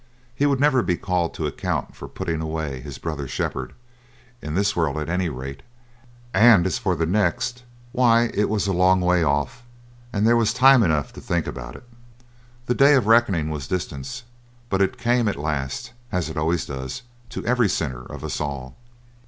He would never be called to account for putting away his brother shepherd, in this world at any rate; and as for the next, why it was a long way off, and there was time enough to think about it. The day of reckoning was distant, but it came at last, as it always does to every sinner of us all.